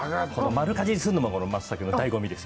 丸かじりするのもマツタケの醍醐味です。